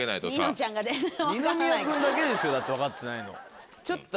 二宮君だけですよだって分かってないの。